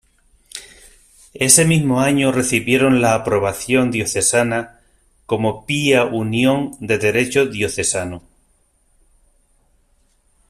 Ese mismo año recibieron la aprobación diocesana como pía unión de derecho diocesano.